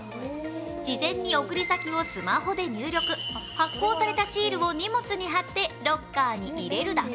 事前に送り先をスマホで入力発行されたシールを荷物に貼ってロッカーに入れるだけ。